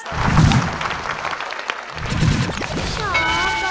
เพลงให้น้องคอยน้ำ